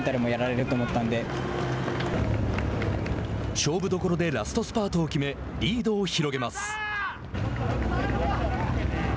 勝負どころでラストスパートを決めリードを広げます。